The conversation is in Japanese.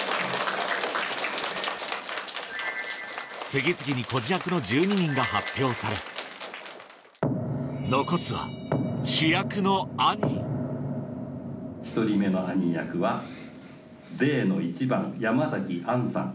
次々に孤児役の１２人が発表され残すは主役の１人目のアニー役はＤの１番山崎杏さん。